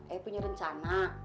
eh punya rencana